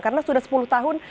karena sudah sepuluh tahun